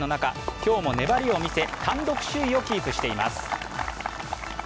今日も粘りを見せ単独首位をキープしています。